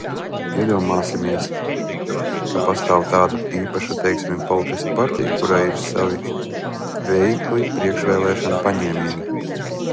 Iedomāsimies, ka pastāv kāda īpaša, teiksim, politiskā partija, kurai ir savi veikli priekšvēlēšanu paņēmieni.